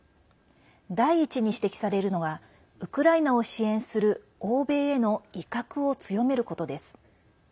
第１に指摘されるのはウクライナを支援する欧米への威嚇を強めることです。